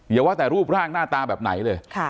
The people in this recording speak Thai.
อย่าว่าแต่รูปร่างหน้าตาแบบไหนเลย